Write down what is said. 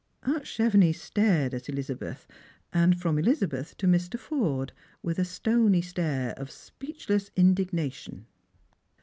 Aunt Chevenix stared at Eliaabeth, and from Elizabeth to Mr. Forde, with a stony stare of speechless indignation.